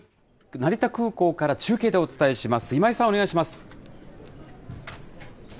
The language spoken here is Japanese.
成田空港から中継でお伝えします。